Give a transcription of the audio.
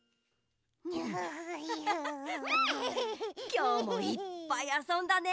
きょうもいっぱいあそんだね。